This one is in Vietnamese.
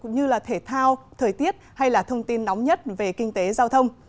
như là thể thao thời tiết hay là thông tin nóng nhất về kinh tế giao thông